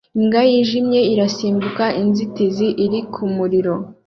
Imbwa yijimye irasimbuka inzitizi iri ku muriro